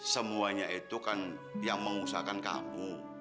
semuanya itu kan yang mengusahakan kamu